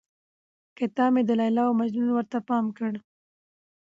كتاب مې د ليلا او د مـجنون ورته تمام كړ.